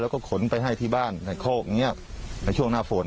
แล้วก็ขนไปให้ที่บ้านในโคกอย่างนี้ในช่วงหน้าฝน